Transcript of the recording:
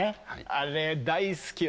あれ大好き私も。